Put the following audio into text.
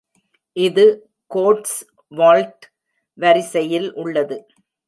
இது கோட்ஸ்வொல்ட் வரிசையில் உள்ளது.